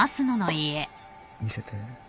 見せて。